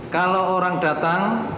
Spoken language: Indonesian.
kalau orang datang